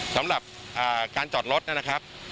สำหรับการจอดรถนะครับ